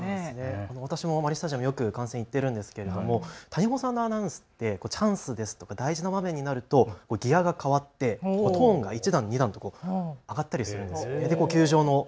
私もマリンスタジアムよく観戦に行っているんですが谷保さんのアナウンスってチャンスですとか大事な場面になるとギアが変わってトーンが１段、２段と上がったりするんです。